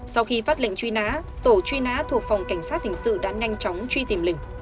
sau khi phát lệnh truy nã tổ truy nã thuộc phòng cảnh sát hình sự đã nhanh chóng truy tìm lình